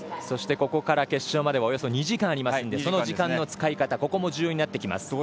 そしてここから決勝までおよそ２時間ありますので時間の使い方も大事になります。